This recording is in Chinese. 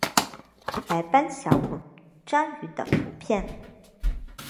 白斑小孔蟾鱼的图片